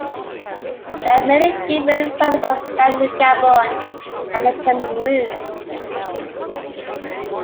There are many different variants of Fang in Gabon and Cameroon.